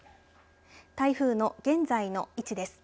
台風の現在の位置です。